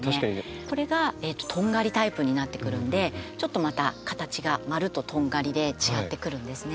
これがとんがりタイプになってくるのでちょっとまた形が「まる」と「とんがり」で違ってくるんですね。